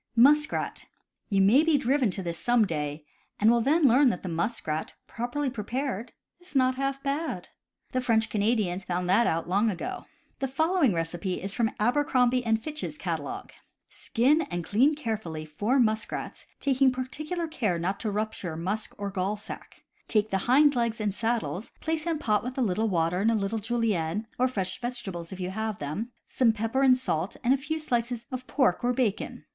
Muskrat. — You may be driven to this, some day, and will then learn that muskrat, properly prepared, is not half bad. The French Canadians found that out long ago. The following recipe is from Aber crombie & Fitch's catalogue: "Skin and clean carefully four muskrats, being par ticular not to rupture musk or gall sac. Take the hind legs and saddles, place in pot with a httle water, a little julienne (or fresh vegetables, if you have them), some pepper and salt, and a few slices of pork or bacon.